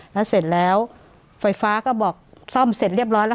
แล้วเสร็จแล้วไฟฟ้าก็บอกซ่อมเสร็จเรียบร้อยแล้ว